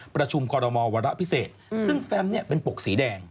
ประชุมคอรมอลวาระพิเศษซึ่งแฟมเนี่ยเป็นปกสีแดง